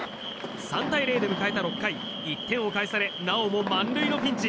３対０で迎えた６回１点を返されなおも満塁のピンチ。